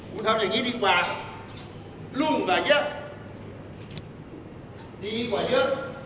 กูทำอย่างงี้ดีกว่ารุ่นกว่าเยอะดีกว่าเยอะ